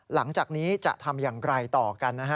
หลังจากนี้จะทำอย่างไรต่อกันนะฮะ